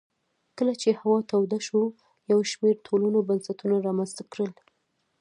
کله چې هوا توده شوه یو شمېر ټولنو بنسټونه رامنځته کړل